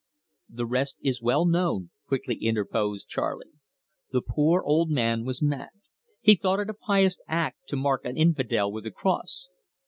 "The rest is well known," quickly interposed Charley. "The poor man was mad. He thought it a pious act to mark an infidel with the cross."